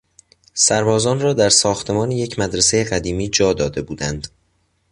سربازان را در ساختمان یک مدرسهی قدیمی جا داده بودند.